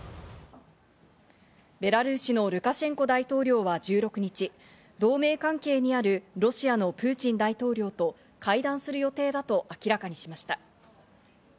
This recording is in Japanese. ベラルーシのルカシェンコ大統領は１６日、同盟関係にあるロシアのプーチン大統領と会談する予定だと明らかにしました。